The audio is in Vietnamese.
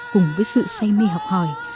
cùng với sự say mê học hỏi